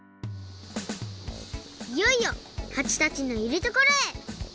いよいよはちたちのいるところへ！